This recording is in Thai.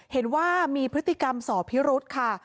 เห็นว่ามีพฤติกรรมสอบพิรุธค่ะ